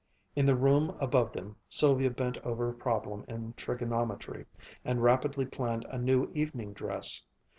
In the room above them, Sylvia bent over a problem in trigonometry, and rapidly planned a new evening dress.